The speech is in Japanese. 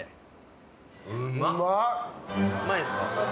うまいですか？